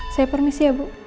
saya permisi ya bu